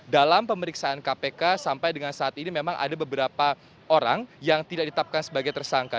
dalam pemeriksaan kpk sampai dengan saat ini memang ada beberapa orang yang tidak ditapkan sebagai tersangka